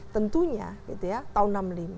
tentunya tahun enam puluh lima